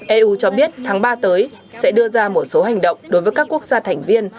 eu cho biết tháng ba tới sẽ đưa ra một số hành động đối với các quốc gia thành viên